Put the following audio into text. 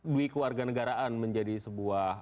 duit kewarganegaraan menjadi sebuah